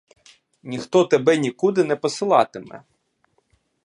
Ніхто тебе нікуди не посилатиме.